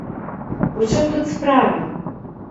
У чым тут справа?